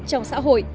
trong xã hội